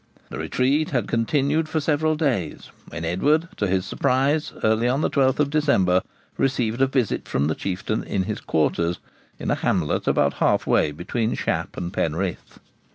The retreat had continued for several days, when Edward, to his surprise, early on the 12th of December, received a visit from the Chieftain in his quarters, in a hamlet about half way between Shap and Penrith.